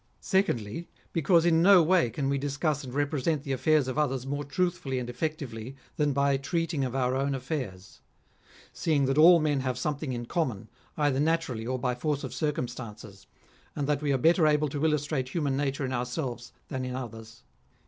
Secondly, because in no way can we discuss and repre sent the affairs of others more truthfully and effectively than by treating of our own affairs ; seeing that all men have something in common, either naturally or by force of circumstances, and that we are better able to illustrate human nature in ourselves than in others.